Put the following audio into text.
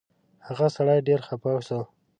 هغه سړی ډېر خفه شو.